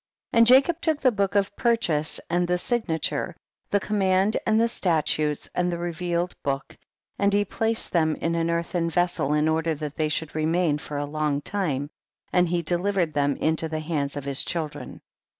29. And Jacob took the book of purchase and the signature, the com mand and the statutes and the reveal ed book, and he placed them in an earthen vessel in order that they should remain for a long time, and he delivered them into the hands of his children.